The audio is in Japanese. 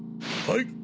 はい。